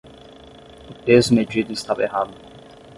O peso medido estava errado